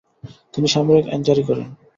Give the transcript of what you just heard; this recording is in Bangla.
তিনি সামরিক আইন জারি করেন।